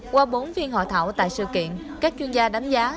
qua bốn phiên hội thảo tại sự kiện các chuyên gia đánh giá